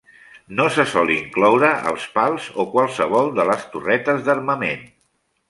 No se sol incloure els pals o qualsevol de les torretes d'armament.